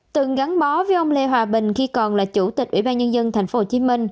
từng gắn bó với ông lê hòa bình khi còn là chủ tịch ủy ban nhân dân tp hcm